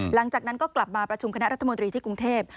หลังจากนั้นก็กลับมาประชุมคณะรัฐมนตรีที่กรุงเทพ